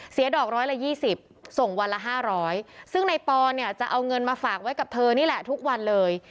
ดอกร้อยละยี่สิบส่งวันละ๕๐๐ซึ่งในปอเนี่ยจะเอาเงินมาฝากไว้กับเธอนี่แหละทุกวันเลย